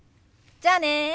じゃあね。